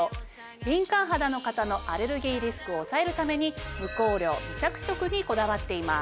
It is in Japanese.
敏感肌の方のアレルギーリスクを抑えるために無香料・無着色にこだわっています。